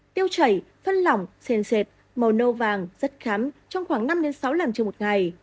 tiêu chảy phân lỏng sền sệt màu nâu vàng rất khám trong khoảng năm đến sáu lần trong một ngày